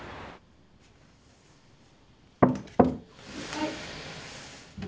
・はい。